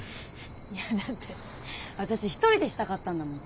いやだって私一人でしたかったんだもん